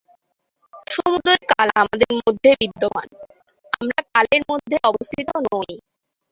সমুদয় কাল আমাদের মধ্যে বিদ্যমান, আমরা কালের মধ্যে অবস্থিত নই।